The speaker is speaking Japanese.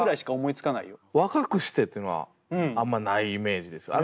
若くしてっていうのはあんまないイメージですね。